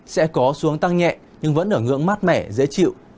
sẽ có xuống tăng nhẹ nhưng vẫn ở ngưỡng mát mẻ dễ chịu